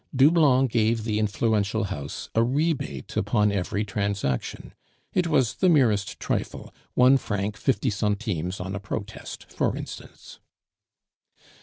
Doublon gave the influential house a rebate upon every transaction; it was the merest trifle, one franc fifty centimes on a protest, for instance.